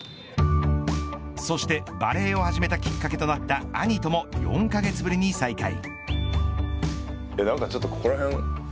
そして、バレーを始めたきっかけとなった兄とも４カ月ぶりに再会。